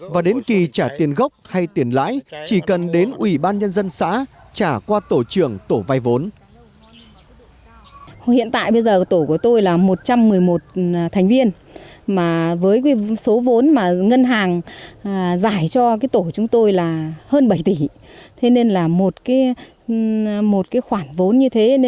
và đến kỳ trả tiền gốc hay tiền lãi chỉ cần đến ủy ban nhân dân xã trả qua tổ trưởng tổ vay vốn